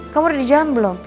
kamu udah di jalan belum